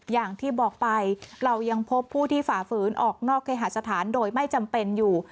อย่างที่บอกไปเรายังพบผู้ที่ฝ่าฝืนออกนอกเคหาสถานโดยไม่จำเป็นอยู่